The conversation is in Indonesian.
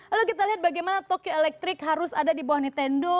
lalu kita lihat bagaimana toko elektrik harus ada di bawah nintendo